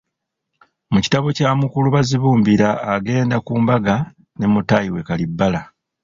Mu kitabo kya mukulu Bazibumbira agenda ku mbaga ne mutaayi we Kalibbala.